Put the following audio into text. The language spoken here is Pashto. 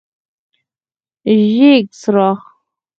ژیړ څراغ: